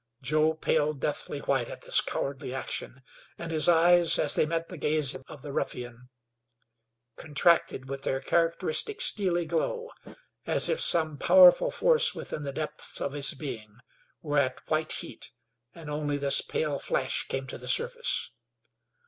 Joe paled deathly white at this cowardly action, and his eyes, as they met the gaze of the ruffian, contracted with their characteristic steely glow, as if some powerful force within the depths of his being were at white heat and only this pale flash came to the surface.